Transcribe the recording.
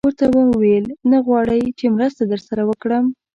ورته ومې ویل: نه غواړئ چې مرسته در سره وکړم؟